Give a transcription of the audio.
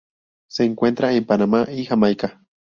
Se encuentra en Panamá y Jamaica.